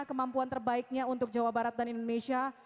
kemampuan terbaiknya untuk jawa barat dan indonesia